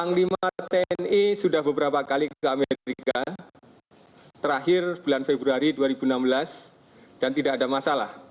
panglima tni sudah beberapa kali ke amerika terakhir bulan februari dua ribu enam belas dan tidak ada masalah